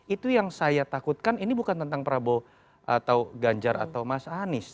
itu yang saya takutkan ini bukan tentang prabowo atau ganjar atau mas anies